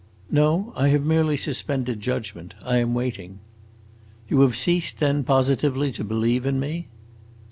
"No, I have merely suspended judgment. I am waiting." "You have ceased then positively to believe in me?"